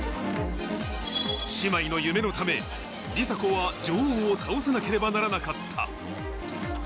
姉妹の夢のため、梨紗子は女王を倒さなければならなかった。